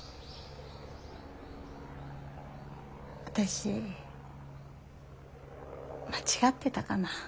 私間違ってたかな？